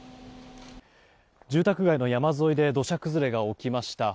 住宅街の山沿いで土砂崩れが起きました。